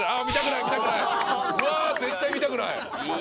うわ絶対見たくない。